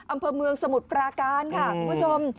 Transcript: อำเภอเมืองสมุทรปราการค่ะคุณผู้ชม